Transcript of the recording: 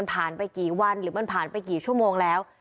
ไปกี่วันหรือมันผ่านไปกี่ชั่วโมงแล้ว